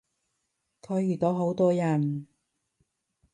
佢遇到好多人